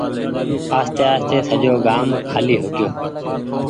آستي آستي سجو گآم کآلي هوگئيو۔